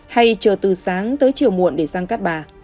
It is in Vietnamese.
hay chờ từ sáng tới chiều muộn để răng cát bà